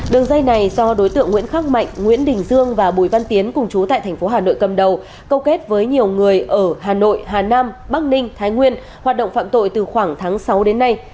đường dây này do đối tượng nguyễn khắc mạnh nguyễn đình dương và bùi văn tiến cùng chú tại thành phố hà nội cầm đầu câu kết với nhiều người ở hà nội hà nam bắc ninh thái nguyên hoạt động phạm tội từ khoảng tháng sáu đến nay